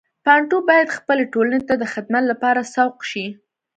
بانټو باید خپلې ټولنې ته د خدمت لپاره سوق شي.